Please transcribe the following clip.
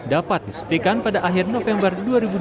dapat disetikan pada akhir november dua ribu dua puluh